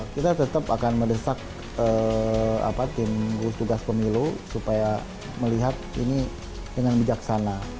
kita tetap akan medesak timus tugas pemilu supaya melihat ini dengan bijaksana